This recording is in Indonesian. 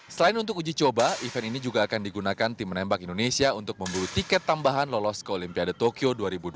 selain untuk uji coba event ini juga akan digunakan tim menembak indonesia untuk memburu tiket tambahan lolos ke olimpiade tokyo dua ribu dua puluh